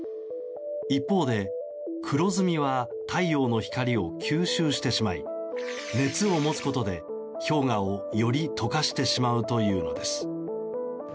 一方で黒ずみは太陽の光を吸収してしまい熱を持つことで氷河をより解かしてしまうというのです。